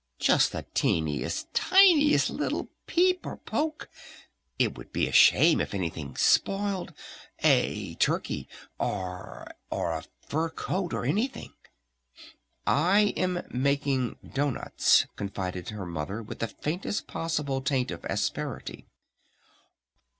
Just the teeniest, tiniest little peep or poke? It would be a shame if anything spoiled! A turkey or a or a fur coat or anything." "I am making doughnuts," confided her Mother with the faintest possible taint of asperity.